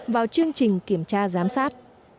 vào chương trình kiểm tra giám sát